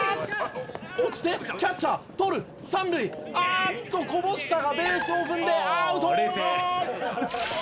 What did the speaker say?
「落ちてキャッチャー取る」「三塁ああっとこぼしたがベースを踏んでアウト！」